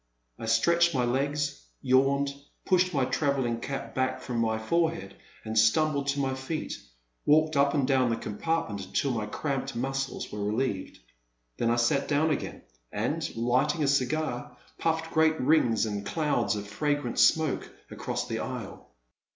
I stretched my legs, yawned, pushed my travelling cap back from my forehead, and stumbling to my feet, walked up and down the compartment until my cramped muscles were relieved. Then I sat down again, and, lighting a cigar, pufied great rings and clouds of fragrant smoke across the aisle.